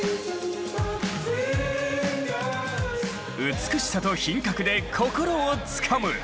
美しさと品格で心をつかむ！